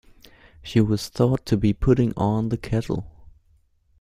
She was thought to be putting on the kettle.